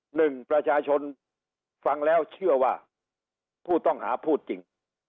หนึ่งประชาชนฟังแล้วเชื่อว่าผู้ต้องหาพูดจริง